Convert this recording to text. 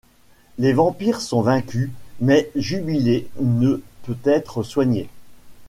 Les vampires sont vaincus, mais Jubilé ne peut être soignée.